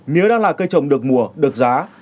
mía đang là cây trồng được mùa được giá